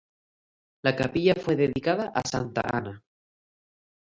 La capilla fue dedicada a Santa Ana.